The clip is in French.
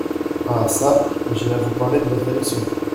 Ah çà ! j’ai à vous parler de votre élection…